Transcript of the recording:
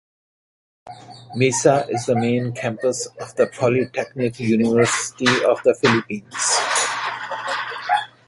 Mesa is the main campus of the Polytechnic University of the Philippines.